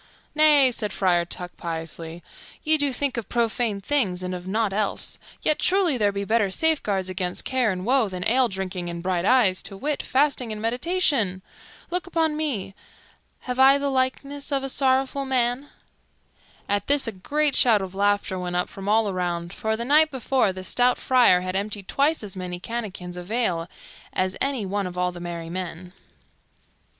"Nay," said Friar Tuck piously, "ye do think of profane things and of nought else; yet, truly, there be better safeguards against care and woe than ale drinking and bright eyes, to wit, fasting and meditation. Look upon me, have I the likeness of a sorrowful man?" At this a great shout of laughter went up from all around, for the night before the stout Friar had emptied twice as many canakins of ale as any one of all the merry men.